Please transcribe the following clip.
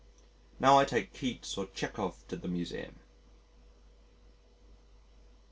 Now I take Keats or Tschekov to the Museum!